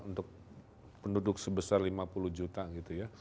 untuk penduduk sebesar lima puluh juta gitu ya